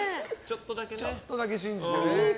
ちょっとだけ信じてね。